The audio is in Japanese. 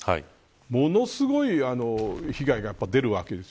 ものすごい被害が出るわけです。